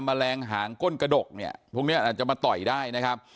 แมลงหางก้นกระดกเนี่ยพวกนี้อาจจะมาต่อยได้นะครับ